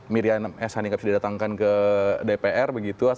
miriam eshani nggak bisa didatangkan ke dpr begitu